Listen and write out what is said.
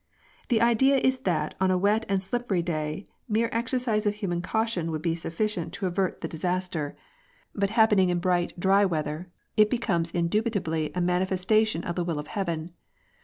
The idea is that on a wet and slippery day mere exercise of human caution would be sufficient to avert the dis i66 PREDESTINATION. aster, but happening in bright, dry weather, it becomes indubitably a manifestation of the will of Heaven.